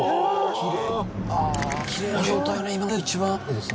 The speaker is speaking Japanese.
きれいな状態だね